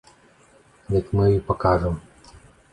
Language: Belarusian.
Дык мы ёй пакажам!